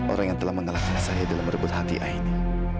orang yang telah mengalahkan saya dalam merebut hati aini